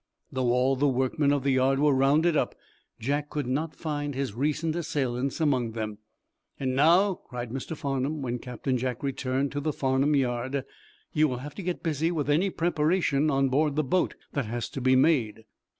Though all the workmen of the yard were rounded up, Jack could not find his recent assailants among them. "And now," cried Mr. Farnum, when Captain Jack returned to the Farnum yard, "you will have to get busy with any preparation on board the boat that has to be made."